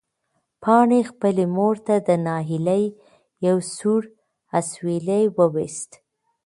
پاڼې خپلې مور ته د ناهیلۍ یو سوړ اسوېلی وویست.